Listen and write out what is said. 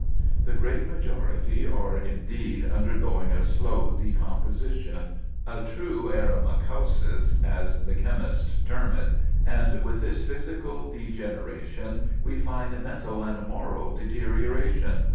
The great majority are, indeed, undergoing a slow decomposition a true eremacausis, as the chemists term it. And with this physical degeneration we find mental and moral deterioration.